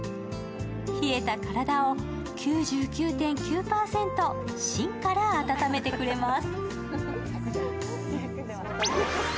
冷えた体を９９．９％芯から温めてくれます。